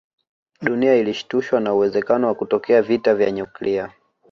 Dunia ilishtushwa na uwezekano wa kutokea vita vya nyuklia